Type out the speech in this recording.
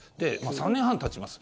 ３年半たちます。